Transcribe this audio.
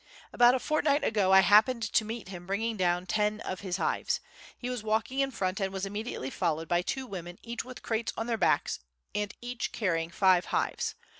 About a fortnight ago I happened to meet him bringing down ten of his hives. He was walking in front and was immediately followed by two women each with crates on their backs, and each carrying five hives.